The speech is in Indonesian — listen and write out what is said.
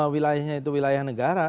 wilayahnya itu wilayah negara